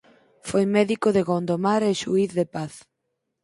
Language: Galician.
Foi médico de Gondomar e Xuíz de paz.